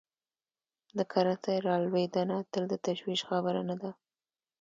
د کرنسۍ رالوېدنه تل د تشویش خبره نه ده.